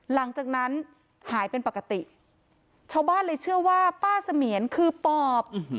หลังจากนั้นหายเป็นปกติชาวบ้านเลยเชื่อว่าป้าเสมียนคือปอบ